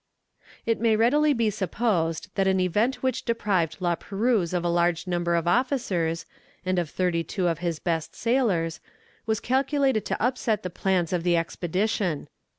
It may readily be supposed that an event which deprived La Perouse of a large number of officers, and of thirty two of his best sailors, was calculated to upset the plans of the expedition.